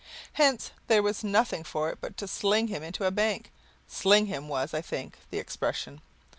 Hence there was nothing for it but to sling him into a bank; "sling him" was, I think, the expression.